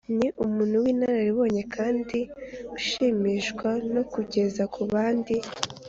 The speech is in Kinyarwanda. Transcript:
ni umuntu w’inararibonye, kandi ushimishwa no kugeza ku bandi